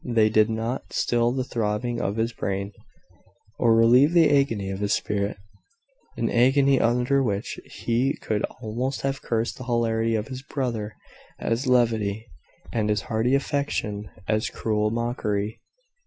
They did not still the throbbing of his brain, or relieve the agony of his spirit; an agony under which he could almost have cursed the hilarity of his brother as levity, and his hearty affection as cruel mockery.